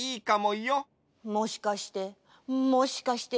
もしかしてもしかして。